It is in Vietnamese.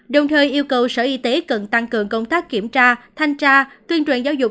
đồng thời yêu cầu sở y tế cần tăng cường công tác kiểm tra thanh tra tuyên truyền giáo dục